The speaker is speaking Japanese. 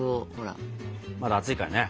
まだ熱いからね。